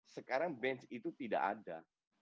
sekarang bench itu tidak ada